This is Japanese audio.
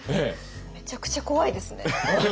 めちゃくちゃ怖いですね。